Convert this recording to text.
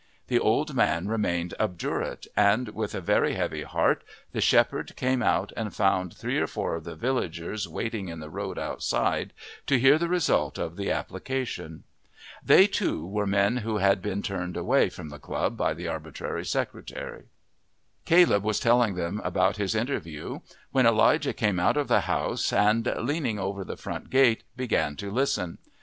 The old man remained obdurate, and with a very heavy heart the shepherd came out and found three or four of the villagers waiting in the road outside to hear the result of the application. They, too, were men who had been turned away from the club by the arbitrary secretary. Caleb was telling them about his interview when Elijah came out of the house and, leaning over the front gate, began to listen.